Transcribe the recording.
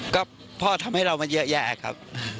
ก็พ่อทำให้เรามาเยอะแยะครับ